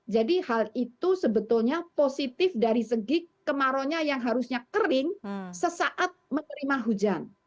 jadi hal itu sebetulnya positif dari segi kemarau nya yang harusnya kering sesaat menerima hujan